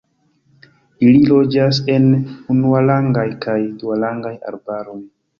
Ili loĝas en unuarangaj kaj duarangaj arbaroj.